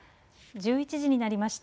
１１時になりました。